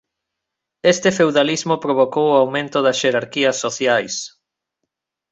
Este feudalismo provocou o aumento das xerarquías sociais.